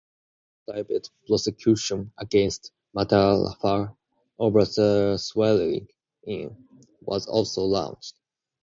A separate private prosecution against Mata’afa over her swearing in was also launched.